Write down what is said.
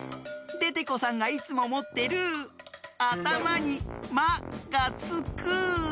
デテコさんがいつももってるあたまに「マ」がつく。